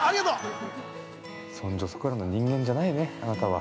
◆そんじょそこらの人間じゃないね、あなたは。